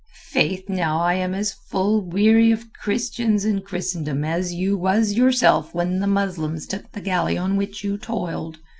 "Faith now I am as full weary of Christians and Christendom as you was yourself when the Muslims took the galley on which you toiled.